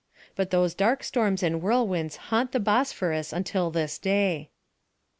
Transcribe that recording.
But those dark storms and whirlwinds haunt the Bosphorus until this day.